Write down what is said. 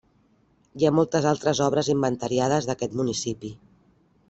Hi ha moltes altres obres inventariades d'aquest municipi.